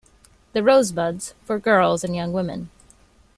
The Rosebuds, for girls and young women.